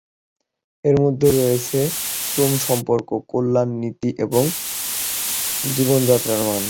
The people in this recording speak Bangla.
এর মধ্যে রয়েছে শ্রম সম্পর্ক, কল্যাণ নীতি এবং জীবনযাত্রার মান।